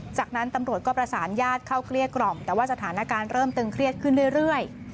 จากนั้นตำรวจก็ประสานญาติเข้าเกลี้ยกล่อมแต่ว่าสถานการณ์เริ่มตึงเครียดขึ้นเรื่อย